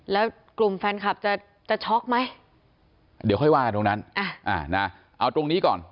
แล้วกลุ่มแฟนคลับจะจะช็อกไหมเดี๋ยวค่อยว่าตรงนั้นเอาตรงนี้ก่อน